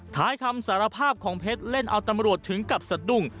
ท้ายคำสารภาพของเพชรเล่นเอาตำรวจถึงกับสะดุ้ง